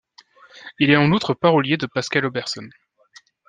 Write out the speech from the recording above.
Il est en outre parolier de Pascal Auberson.